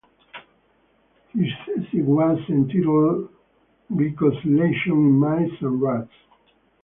His thesis was entitled "Glycosylation in Mice and Rats".